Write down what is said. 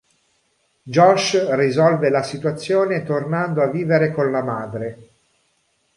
Josh risolve la situazione tornando a vivere con la madre.